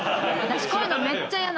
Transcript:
私こういうのめっちゃ嫌。